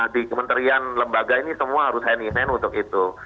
di kementerian lembaga ini semua harus hand in hand untuk itu